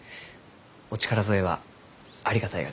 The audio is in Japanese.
お力添えはありがたいがです。